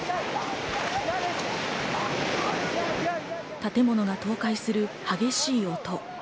建物が倒壊する激しい音。